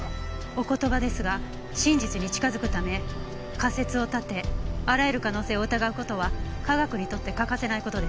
お言葉ですが真実に近づくため仮説を立てあらゆる可能性を疑う事は科学にとって欠かせない事です。